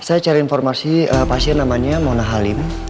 saya cari informasi pasien namanya mona halim